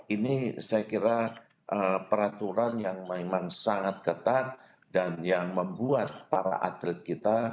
ini saya kira peraturan yang memang sangat ketat dan yang membuat para atlet kita